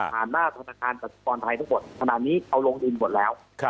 ผ่านหน้าธนาคารกับทุกคนไทยทั้งหมดขณะนี้เอาลงดินหมดแล้ว